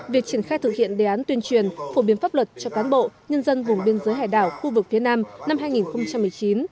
việc triển khai thực hiện đề án tuyên truyền phổ biến pháp luật cho cán bộ nhân dân vùng biên giới hải đảo khu vực phía nam năm hai nghìn một mươi chín